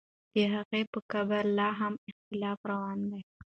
د هغې په قبر لا هم اختلاف روان دی.